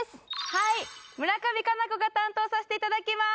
はい村上佳菜子が担当させていただきます